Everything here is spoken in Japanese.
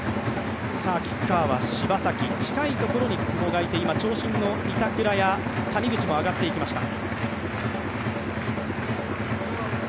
キッカーは柴崎、近いところに久保がいて長身の板倉や谷口も上がっていきました。